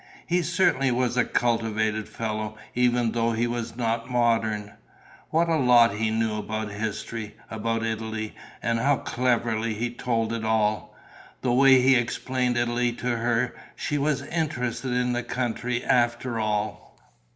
He certainly was a cultivated fellow, even though he was not modern. What a lot he knew about history, about Italy; and how cleverly he told it all! The way he explained Italy to her, she was interested in the country after all.